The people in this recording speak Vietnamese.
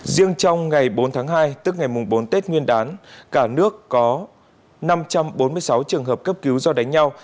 riêng trong ngày bốn tháng hai tức ngày bốn tết nguyên đán cả nước có năm trăm bốn mươi sáu trường hợp cấp cứu do đánh nhau